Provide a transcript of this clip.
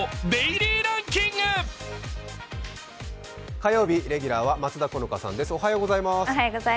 火曜日、レギュラーは松田好花さんです。